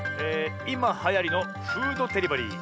いまはやりのフードデリバリー。